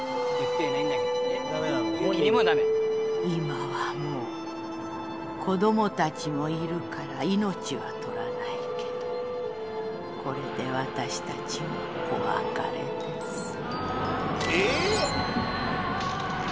「今はもう子供たちもいるから命は取らないけどこれで私たちはお別れです」